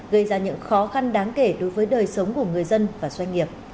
gây ra những khó khăn đáng kể đối với đời sống của người dân